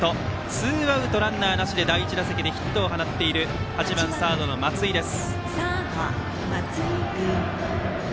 ツーアウト、ランナーなしで第１打席でヒットを放っている８番サードの松井です。